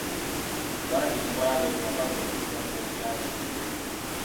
Bangi tubalabye nga bawemukira ku mpya zaabwe.